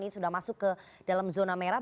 ini sudah masuk ke dalam zona merah